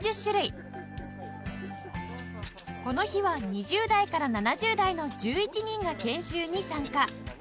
この日は２０代から７０代の１１人が研修に参加